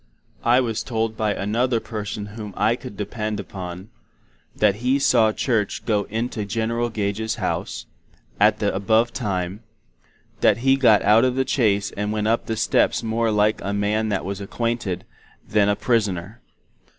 I was told by another person whom I could depend upon, that he saw Church go in to General Gage's House, at the above time; that He got out of the Chaise and went up the steps more like a Man that was aquainted, than a prisoner.